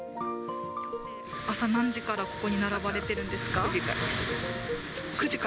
朝何時からここに並ばれてるんですか？